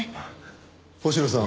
星野さん